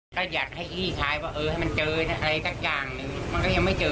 ก็อยากให้คิดที่ท้ายว่าเออมันเจออะไรสักอย่างมันก็ยังไม่เจอ